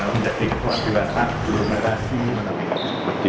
dan mendagri kuat diwakil aglomerasi